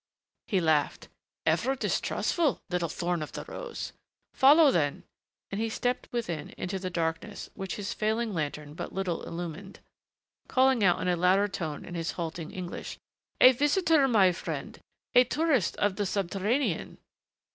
He laughed. "Ever distrustful, little thorn of the rose! Follow, then," and he stepped within, into the darkness, which his failing lantern but little illumined, calling out in a louder tone in his halting English, "A visitor, my friend. A tourist of the subterranean."